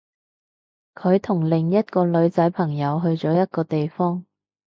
佢同另一個女仔朋友去咗一個地方